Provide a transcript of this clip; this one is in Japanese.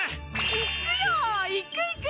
行くよ行く行く！